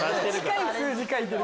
近い数字書いてる。